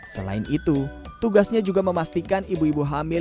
selain itu tugasnya juga memastikan ibu ibu hamil